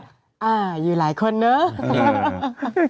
อยู่หลายคนเนอะ